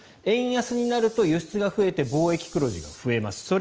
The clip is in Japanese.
円安になると輸出が増えて貿易黒字が増えます。